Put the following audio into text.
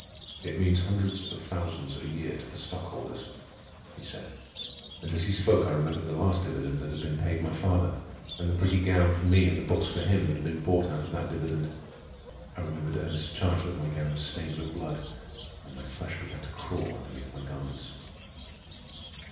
"It means hundreds of thousands a year to the stockholders," he said; and as he spoke I remembered the last dividend that had been paid my father, and the pretty gown for me and the books for him that had been bought out of that dividend. I remembered Ernest's charge that my gown was stained with blood, and my flesh began to crawl underneath my garments.